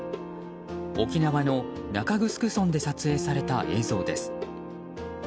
沖縄の中城村で撮影された映像です。